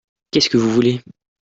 Qu'est-ce que vous voulez ?